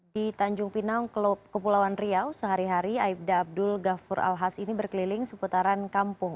di tanjung pinang kepulauan riau sehari hari aibda abdul ghafur al has ini berkeliling seputaran kampung